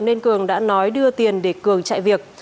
nên cường đã nói đưa tiền để cường chạy việc